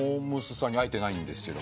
さんに会えてないんですけど。